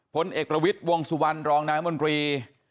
ผลเอกประวิทย์วงสุวรรณรองนายมนตรี